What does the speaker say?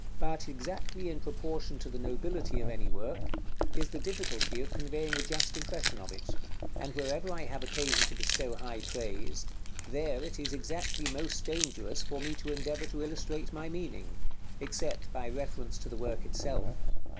But exactly in proportion to the nobility of any work, is the difficulty of conveying a just impression of it; and wherever I have occasion to bestow high praise, there it is exactly most dangerous for me to endeavor to illustrate my meaning, except by reference to the work itself.